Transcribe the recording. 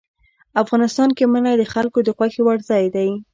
افغانستان کې منی د خلکو د خوښې وړ ځای دی.